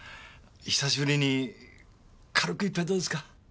久しぶりに軽く１杯どうですか？